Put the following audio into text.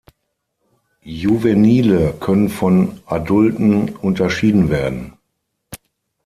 Juvenile können von Adulten unterschieden werden.